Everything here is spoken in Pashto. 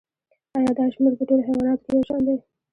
ایا دا شمیر په ټولو حیواناتو کې یو شان دی